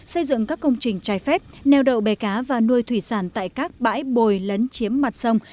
xây dựng các công trình trái phép neo đậu bè cá và nuôi thủy sản tại các bãi bồi lấn chiếm mặt sông